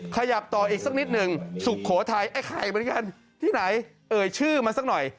ขยับต่ออีกสักนิดหนึ่งสุโขทัยไอ้ไข่เหมือนกันที่ไหนเอ่ยชื่อมาสักหน่อย